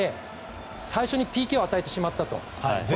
最初にＰＫを与えてしまったと。